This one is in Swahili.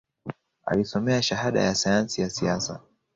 Alisomea Shahada ya Sayansi ya Siasa